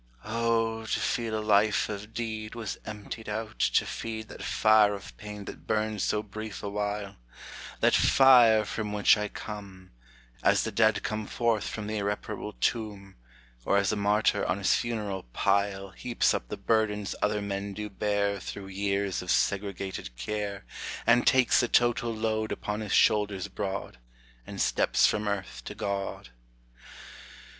O, to feel a life of deed Was emptied out to feed That fire of pain that burned so brief awhile, That fire from which I come, as the dead come Forth from the irreparable tomb, Or as a martyr on his funeral pile Heaps up the burdens other men do bear Through years of segregated care, And takes the total load Upon his shoulders broad, And steps from earth to God.